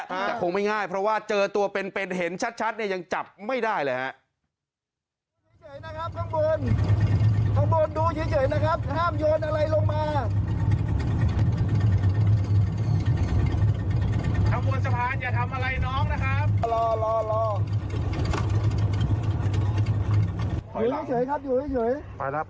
แต่คงไม่ง่ายเพราะว่าเจอตัวเป็นเห็นชัดเนี่ยยังจับไม่ได้เลยฮะ